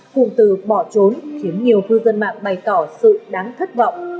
cụm từ bỏ trốn khiến nhiều cư dân mạng bày tỏ sự đáng thất vọng